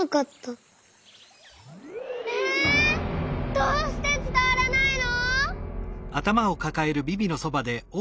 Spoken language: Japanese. どうしてつたわらないの？